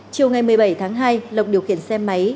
chiều ngày một mươi bảy tháng hai lộc điều khiển xe máy